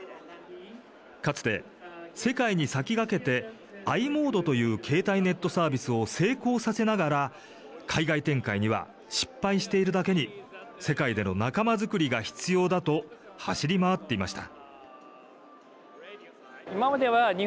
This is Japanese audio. かつて世界に先駆けてｉモードという携帯ネットサービスを成功させながら海外展開には失敗しているだけに世界での仲間づくりが必要だと走り回っていました。